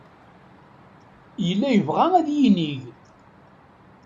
Yella yebɣa ad yinig.